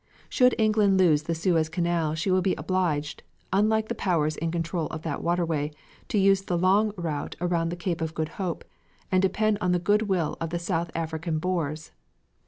Should England lose the Suez Canal she will be obliged, unlike the powers in control of that waterway, to use the long route around the Cape of Good Hope, and depend on the good will of the South African Boers.